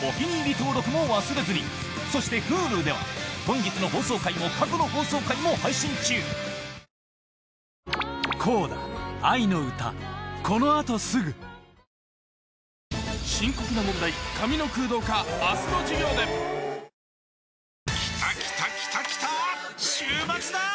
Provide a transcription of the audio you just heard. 登録も忘れずにそしてＨｕｌｕでは本日の放送回も過去の放送回も配信中きたきたきたきたー！